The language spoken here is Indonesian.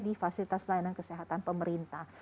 di fasilitas pelayanan kesehatan pemerintah